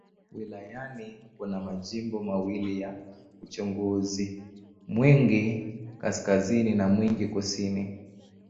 Wilayani kuna majimbo mawili ya uchaguzi: Mwingi Kaskazini na Mwingi Kusini.